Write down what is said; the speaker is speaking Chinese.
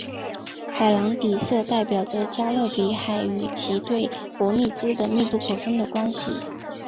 海蓝底色代表着加勒比海与其对伯利兹的密不可分的关系。